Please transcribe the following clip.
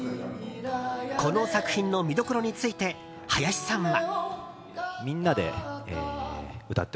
この作品の見どころについて林さんは。